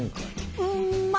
うんまっ！